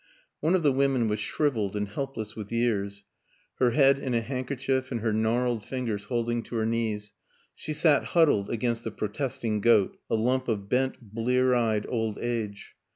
One of the women was shriveled and helpless with years; her head in a handkerchief and her gnarled fingers holding to her knees, she sat huddled against the protesting goat, a lump of bent, blear eyed old age.